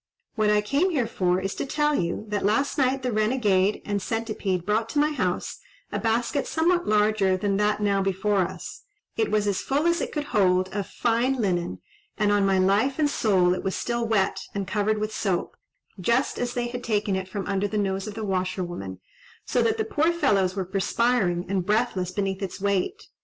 What I came here for is to tell you, that last night the Renegade and Centipede brought to my house a basket somewhat larger than that now before us; it was as full as it could hold of fine linen, and, on my life and soul, it was still wet and covered with soap, just as they had taken it from under the nose of the washerwoman, so that the poor fellows were perspiring and breathless beneath its weight.